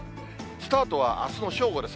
スタートはあすの正午です。